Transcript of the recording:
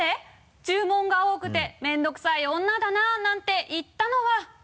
注文が多くて面倒くさい女だな、なんて言ったのは」